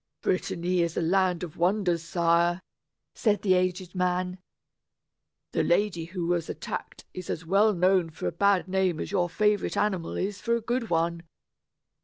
"Brittany is a land of wonders, sire," said the aged man. "The lady who was attacked is as well known for a bad name as your favorite animal is for a good one.